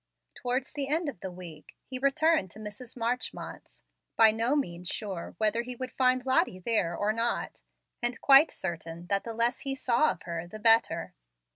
Towards the end of the week he returned to Mrs. Marchmont's, by no means sure whether he would find Lottie there or not, and quite certain that the less he saw of her the better.